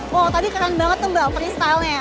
wow tadi keren banget tuh mbak freestyle nya